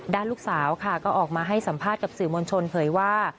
ลูกสาวค่ะก็ออกมาให้สัมภาษณ์กับสื่อมวลชนเผยว่า